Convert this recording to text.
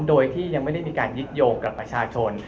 โดยที่ยังไม่ได้มีการยึดโยงกับประชาชน